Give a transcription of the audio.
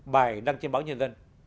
bài đăng trên báo nhân dân